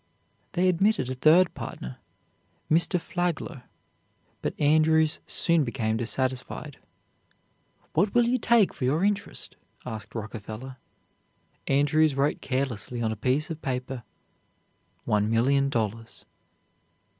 They admitted a third partner, Mr. Flagler, but Andrews soon became dissatisfied. "What will you take for your interest?" asked Rockefeller. Andrews wrote carelessly on a piece of paper, "One million dollars."